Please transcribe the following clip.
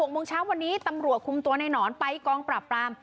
โมงเช้าวันนี้ตำรวจคุมตัวในหนอนไปกองปราบปราม